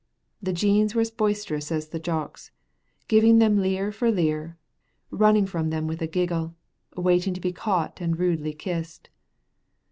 The Jeans were as boisterous as the Jocks, giving them leer for leer, running from them with a giggle, waiting to be caught and rudely kissed.